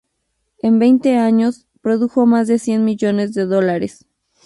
En veinte años, produjo más de cien millones de dólares.